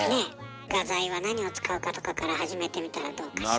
画材は何を使うかとかから始めてみたらどうかしら？